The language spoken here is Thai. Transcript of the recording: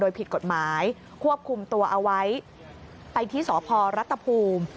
โดยผิดกฎหมายควบคุมตัวเอาไว้ไปที่สพรัฐภูมิ